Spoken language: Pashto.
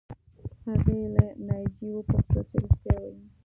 هغې له ناجیې وپوښتل چې رښتیا وایې